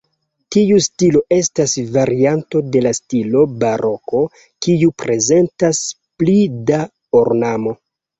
Tiu stilo estas varianto de la stilo baroko, kiu prezentas pli da ornamo.